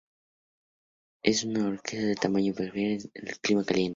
Es una orquídea de tamaño pequeño, que prefiere el clima caliente.